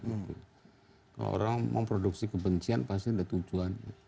kalau orang memproduksi kebencian pasti ada tujuannya